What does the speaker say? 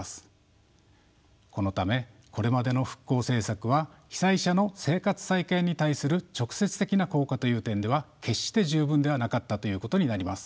このためこれまでの復興政策は被災者の生活再建に対する直接的な効果という点では決して十分ではなかったということになります。